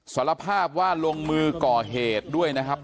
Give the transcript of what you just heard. สารภาพว่าลงมือก่อเหตุด้วยนะครับ